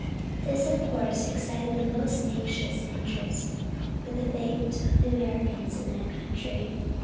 This of course excited the most anxious interest for the fate of the Americans in that country.